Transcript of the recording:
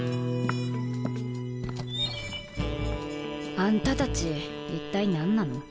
あんたたち一体何なの？